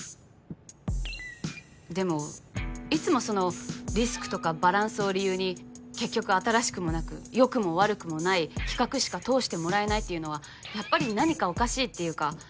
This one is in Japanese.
でもいつもそのリスクとかバランスを理由に結局新しくもなく良くも悪くもない企画しか通してもらえないっていうのはやっぱり何かおかしいっていうか。